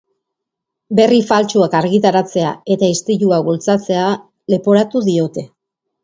Berri faltsuak argitaratzea eta istiluak bultzatzea leporatu diote.